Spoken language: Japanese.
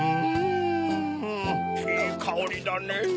いいかおりだねぇ。